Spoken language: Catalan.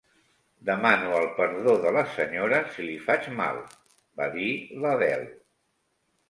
"Demano el perdó de la senyora si li faig mal", va dir l"Adele.